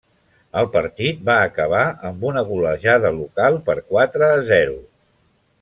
El partit va acabar amb una golejada local per quatre a zero.